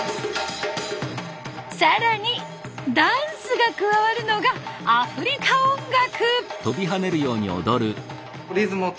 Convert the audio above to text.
更にダンスが加わるのがアフリカ音楽。